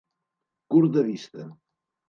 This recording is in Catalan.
Curt de vista.